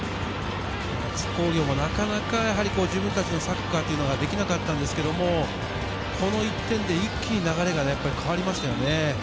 津工業もなかなか自分達のサッカーができなかったんですけども、この１点で一気に流れが変わりましたよね。